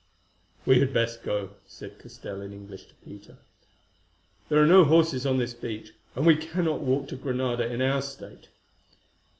"We had best go," said Castell in English to Peter. "There are no horses on this beach, and we cannot walk to Granada in our state."